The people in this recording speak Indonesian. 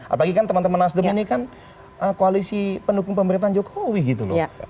apalagi kan teman teman nasdem ini kan koalisi pendukung pemerintahan jokowi gitu loh